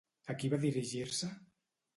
A qui va dirigir-se?